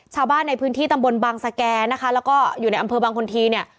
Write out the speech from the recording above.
ชาวบ้านในพื้นที่ตำบลบางสแก่นะคะแล้วก็อยู่ในอำเภอบางคนทีเนี่ย